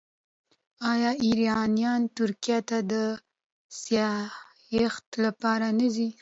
آیا ایرانیان ترکیې ته د سیاحت لپاره نه ځي؟